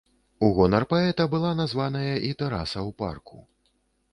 У гонар паэта была названая і тэраса ў парку.